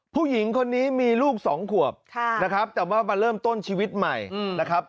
ผู้หญิงคนนี้มีลูกสองขวบนะครับแต่ว่ามาเริ่มต้นชีวิตใหม่นะครับ